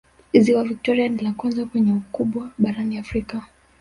ziwa victoria ni la kwanza kwa ukubwa barani afrika